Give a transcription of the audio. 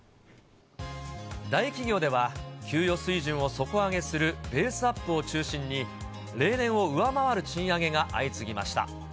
大企業では、給与水準を底上げするベースアップを中心に、例年を上回る賃上げが相次ぎました。